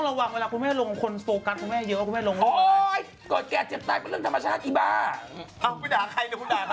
รู้ว่ะลาวเริ่มทำไมเก๊าะไปทำอะไร